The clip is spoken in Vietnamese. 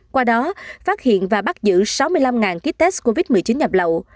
qua đó phát hiện và bắt giữ sáu mươi năm ký test covid một mươi chín nhập lậu